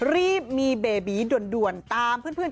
รีบมีเบบีด่วนตามเพื่อน